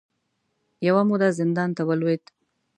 یوه موده زندان ته ولوېد